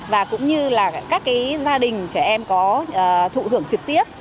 và cũng như là các gia đình trẻ em có thụ hưởng trực tiếp